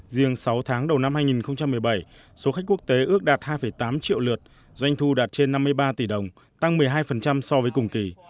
riêng sáu tháng đầu năm hai nghìn một mươi bảy số khách quốc tế ước đạt hai tám triệu lượt doanh thu đạt trên năm mươi ba tỷ đồng tăng một mươi hai so với cùng kỳ